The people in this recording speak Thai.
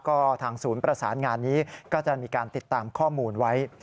ก็ทางศูนย์ประสานงานนี้ก็จะมีการติดตามข้อมูลไว้